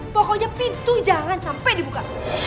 pokoknya pintu jangan sampai dibuka